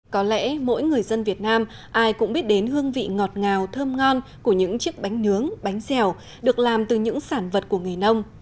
có lẽ mỗi người dân việt nam ai cũng biết đến hương vị ngọt ngào thơm ngon của những chiếc bánh nướng bánh dẻo được làm từ những sản vật của người nông